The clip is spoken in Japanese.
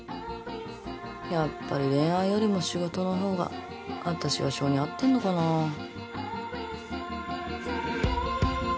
やっぱり恋愛よりも仕事の方が私は性に合ってんのかなぁ？